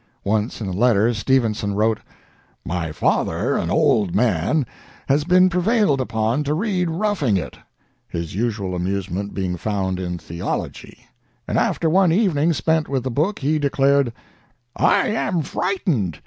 Once, in a letter, Stevenson wrote: "My father, an old man, has been prevailed upon to read 'Roughing It' (his usual amusement being found in theology), and after one evening spent with the book he declared: 'I am frightened.